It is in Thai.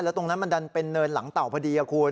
ตรงนั้นมันดันเป็นเนินหลังเต่าพอดีคุณ